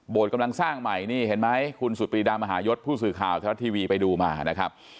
กำลังสร้างใหม่นี่เห็นไหมคุณสุดปรีดามหายศผู้สื่อข่าวไทยรัฐทีวีไปดูมานะครับ